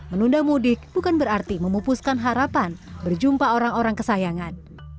menunda mudik bukan berarti memupuskan harapan berjumpa orang orang kesayangan